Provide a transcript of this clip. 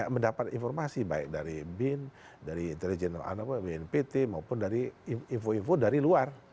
mendapat informasi baik dari bin dari intelijen bnpt maupun dari info info dari luar